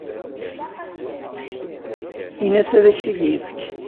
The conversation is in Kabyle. Ini-as ad ak-t-id-yefk.